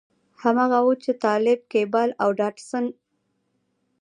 هماغه و چې د طالب کېبل او ډاټسن.